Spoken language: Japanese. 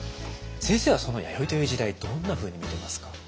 先生は弥生という時代どんなふうに見てますか？